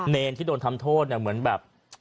เนรที่โดนทำโทษเนี่ยเหมือนแบบ